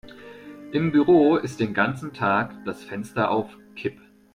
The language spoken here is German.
Im Büro ist den ganzen Tag das Fenster auf Kipp.